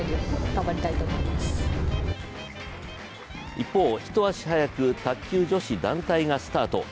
一方、一足早く卓球女子団体がスタート。